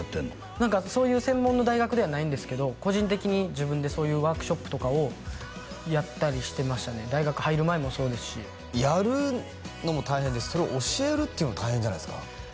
何かそういう専門の大学ではないんですけど個人的に自分でそういうワークショップとかをやったりしてましたね大学入る前もそうですしやるのも大変ですしそれを教えるっていうの大変じゃないですか？